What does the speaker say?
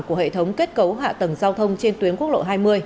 của hệ thống kết cấu hạ tầng giao thông trên tuyến quốc lộ hai mươi